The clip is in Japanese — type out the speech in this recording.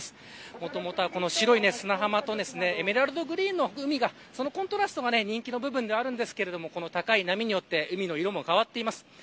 もともとは白い砂浜とエメラルドグリーンのそのコントラストが人気ですが、海の高い波によってその色も変わっています。